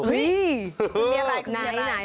คุณมีอะไร